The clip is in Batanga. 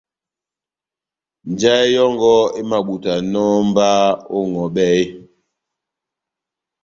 Njahɛ yɔ́ngɔ emabutanɔ mba ó ŋʼhɔbɛ eeeh ?